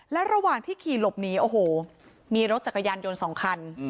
และระหว่างที่ขี่หลบหนีโอ้โหมีรถจักรยานยนต์๒คัน